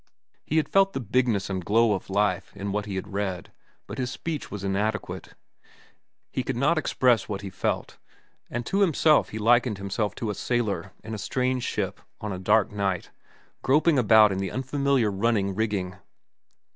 He had felt the bigness and glow of life in what he had read, but his speech was inadequate. He could not express what he felt, and to himself he likened himself to a sailor, in a strange ship, on a dark night, groping about in the unfamiliar running rigging.